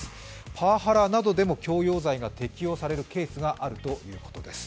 パワハラなどでも強要罪が適用されるケースもあるとのことです。